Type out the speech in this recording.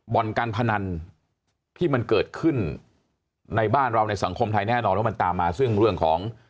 บ่อนการพนันที่มันเกิดขึ้นในบ้านเราในสังคมไทยแน่นอนว่ามันตามมาซึ่งเรื่องของ